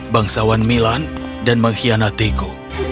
bangsawan milan dan mengkhianatiku